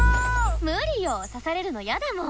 無理よ刺されるの嫌だもん。